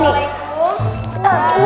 nih jangan nih